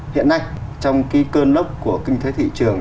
hiện nay trong cái cơn lốc của kinh tế thị trường